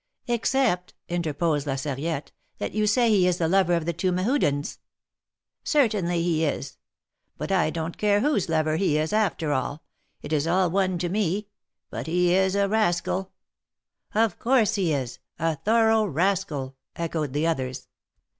"Except," interposed La Sarriette, "that you say he is the lover of the two Mehudens." 242 THE MARKETS OF PARIS. '^Certainly he is. But I don't care whose lover he is, after all ; it is all one to me. But he is a rascal." Of course he is : a thorough rascal !" echoed the others.